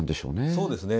そうですね。